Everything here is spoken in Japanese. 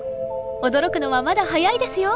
驚くのはまだ早いですよ！